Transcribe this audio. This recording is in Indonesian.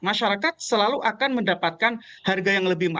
masyarakat selalu akan mendapatkan harga yang lebih mahal